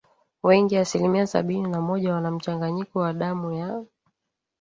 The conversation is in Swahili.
wengi asilimia sabini na moja wana mchanganyiko wa damu ya